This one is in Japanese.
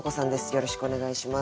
よろしくお願いします。